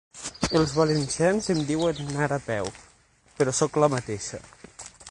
Els valencians em diuen Nara Peu, però soc la mateixa.